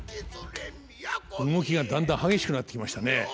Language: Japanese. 動きがだんだん激しくなってきましたね。